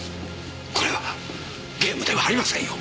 これはゲームではありませんよ！